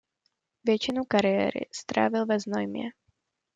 Většinu kariéry strávil ve Znojmě.